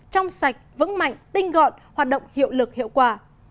trong sạch vững mạnh tinh gọn hoạt động hiệu lực hiệu quả